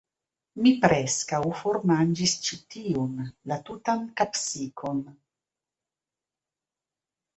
Mi preskaŭ formanĝis ĉi tiun, la tutan kapsikon.